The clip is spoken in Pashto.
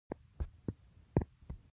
ستا حق نه کيږي.